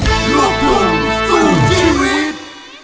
ลูกทุ่งสู้ชีวิต